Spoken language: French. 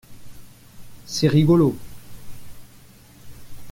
C’est rigolo.